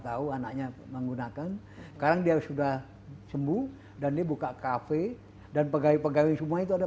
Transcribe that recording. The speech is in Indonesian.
tahu anaknya menggunakan karena dia sudah sembuh dan dibuka cafe dan pegawai pegawai semua itu ada